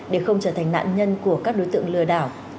để không trở thành nạn nhân của các đối tượng lừa đảo